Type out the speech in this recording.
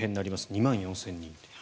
２万４０００人。